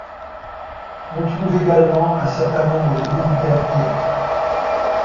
On trouve également un certain nombre de militaires turcs.